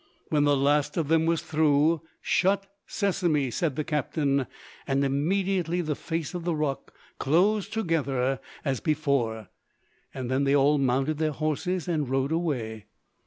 When the last of them was through, "Shut, Sesamé!" said the captain, and immediately the face of the rock closed together as before. Then they all mounted their horses and rode away.